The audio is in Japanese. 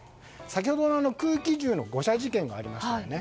先ほど、空気銃の誤射事件がありましたよね。